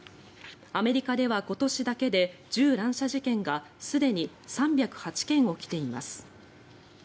アメリカでは今年だけで銃乱射事件がすでに３０８件起きています。